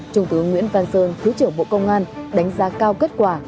trung tướng nguyễn văn sơn thứ trưởng bộ công an đánh giá cao kết quả